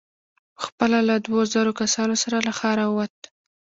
په خپله له دوو زرو کسانو سره له ښاره ووت.